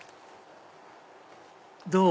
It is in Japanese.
どう？